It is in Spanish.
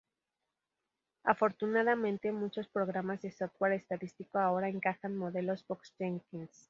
Afortunadamente, muchos programas de software estadístico ahora encajan modelos Box-Jenkins.